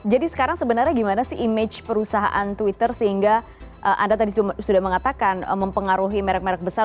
jadi sekarang sebenarnya gimana sih image perusahaan twitter sehingga anda tadi sudah mengatakan mempengaruhi merek merek besar